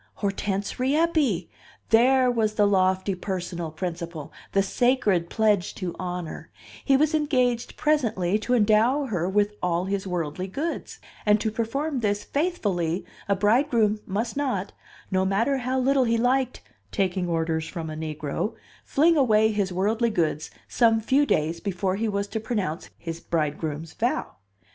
Hortense Rieppe! There was the lofty personal principle, the sacred pledge to honor; he was engaged presently to endow her with all his worldly goods; and to perform this faithfully a bridegroom must not, no matter how little he liked "taking orders from a negro," fling away his worldly goods some few days before he was to pronounce his bridegroom's vow.